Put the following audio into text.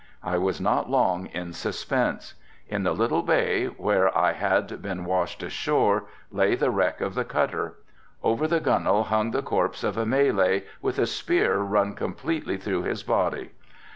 I was not long in suspense. In the little bay, where I had been washed ashore, lay the wreck of the cutter. Over the gunwale hung the corpse of a Malay, with a spear run completely through his body.